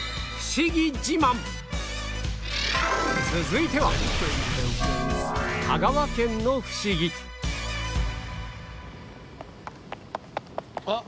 続いてはあっ！